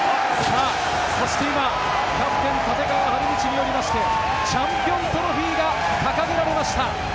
そして今、キャプテン・立川理道によりまして、チャンピオントロフィーが掲げられました。